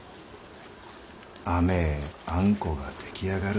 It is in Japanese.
甘えあんこが出来上がる。